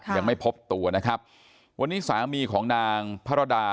ยังไม่พบตัวนะครับวันนี้สามีของนางพระรดา